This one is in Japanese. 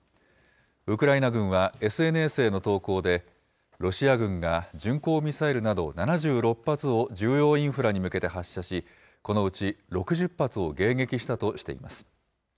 ウクライナ軍はＳＮＳへの投稿で、ロシア軍が巡航ミサイルなど７６発を重要インフラに向けて発射し、このうち６０発を迎撃したとしています。